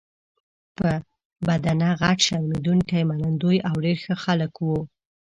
په بدنه غټ، شرمېدونکي، منندوی او ډېر ښه خلک وو.